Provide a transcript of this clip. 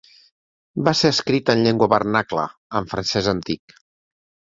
Va ser escrit en llengua vernacla, en francès antic.